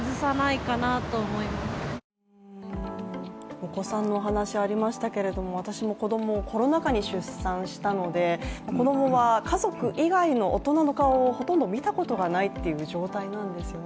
お子さんの話、ありましたけれども私も子供をコロナ禍に出産したので子供は家族以外の大人の顔をほとんど見たことがないっていう状態なんですよね。